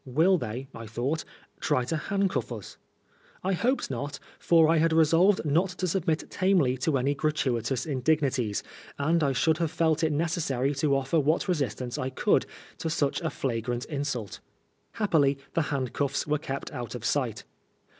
Will they, I thought, try to handcuff us ? 1 hoped not, for I had resolved not to submit tamely to any gratuitous indignities, and I should have felt it necessary to offer what resistance I could to such a flagrant insult. Happily the handcuffs were kept out of sight.